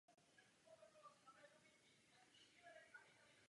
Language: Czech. Absolvovala střední pedagogickou školu a pak obor psychologie na Masarykově univerzitě.